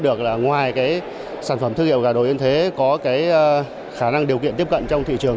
được là ngoài cái sản phẩm thương hiệu gà đồ yên thế có cái khả năng điều kiện tiếp cận trong thị trường